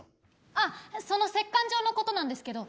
あっその折かん状のことなんですけど。